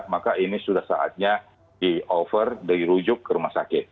maka ini sudah saatnya di over dirujuk ke rumah sakit